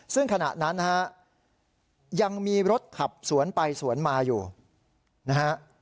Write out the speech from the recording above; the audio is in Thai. ซึ่งขณะนั้นนะฮะยังมีรถขับสวนไปสวนมาอยู่นะฮะ